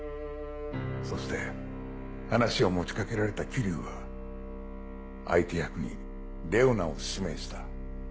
そして話を持ち掛けられた霧生は相手役にレオナを指名した。